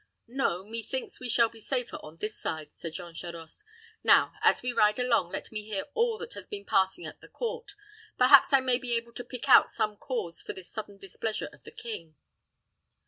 "No; methinks we shall be safer on this side," said Jean Charost. "Now, as we ride along, let me hear all that has been passing at the court. Perhaps I may be able to pick out some cause for this sudden displeasure of the king."